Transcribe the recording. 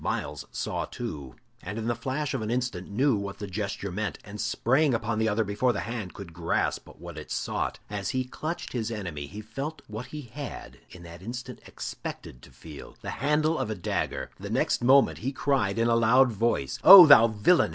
Myles saw too, and in the flash of an instant knew what the gesture meant, and sprang upon the other before the hand could grasp what it sought. As he clutched his enemy he felt what he had in that instant expected to feel the handle of a dagger. The next moment he cried, in a loud voice: "Oh, thou villain!